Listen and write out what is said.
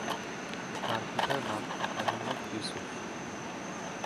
তার পিতার নাম মুহাম্মদ ইউসুফ।